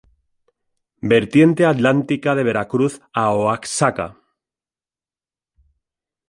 Vertiente Atlántica de Veracruz a Oaxaca.